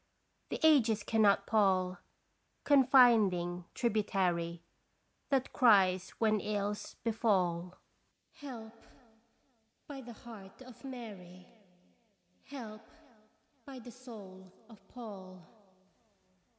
The ages cannot pall Confiding tributary That cries when ills befall : Help! by the heart oj Mary! Help ! by the soul of Paul!